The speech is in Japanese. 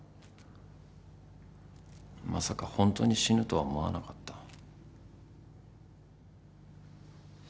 まさかホントに死ぬとは思わなかった。